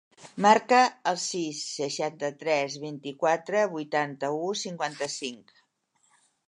Marca el sis, seixanta-tres, vint-i-quatre, vuitanta-u, cinquanta-cinc.